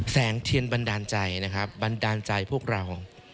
แสงเทียนบันดาลใจนะครับบันดาลใจพวกเรา